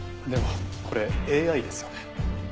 でもこれＡＩですよね？